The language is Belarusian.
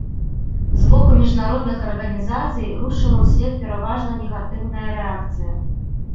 З боку міжнародных арганізацый рушыла ўслед пераважна негатыўная рэакцыя.